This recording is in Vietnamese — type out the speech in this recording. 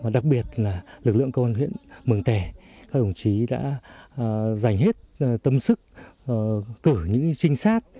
đặc biệt là lực lượng công an huyện mường tẻ các đồng chí đã dành hết tâm sức cử những trinh sát